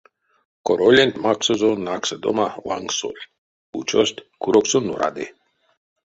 Короленть максозо наксадома лангсоль, учость, курок сон врады.